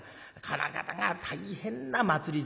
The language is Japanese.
この方が大変な祭り